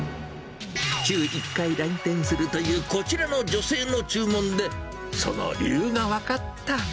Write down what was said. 週１回来店するというこちらの女性の注文で、その理由が分かった。